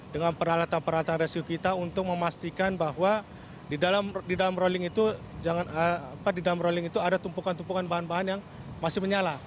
dengan peralatan peralatan resiko kita untuk memastikan bahwa di dalam rolling itu ada tumpukan tumpukan bahan bahan yang masih menyala